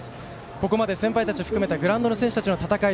ここまで先輩たち含めてグラウンドの選手たちの戦い